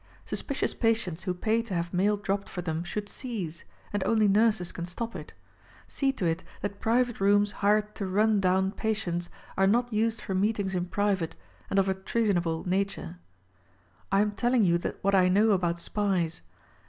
Suspicious patients who pay to have mail dropped for them should cease; and only nurses can stop it. See to it that private rooms hired to "run down" patients are not used for meetings in private and of a treasonable nature. I am telling you what I know about SPIES.